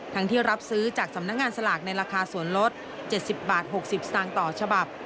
ที่รับซื้อจากสำนักงานสลากในราคาส่วนลด๗๐บาท๖๐สตางค์ต่อฉบับ